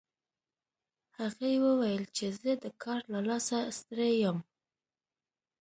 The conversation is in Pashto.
هغې وویل چې زه د کار له لاسه ستړي یم